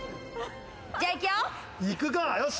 じゃあ、いくよ。